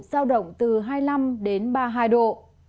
giao động từ hai mươi năm đến ba mươi hai độ